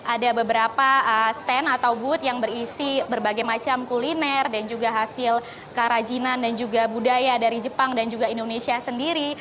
ada beberapa stand atau booth yang berisi berbagai macam kuliner dan juga hasil kerajinan dan juga budaya dari jepang dan juga indonesia sendiri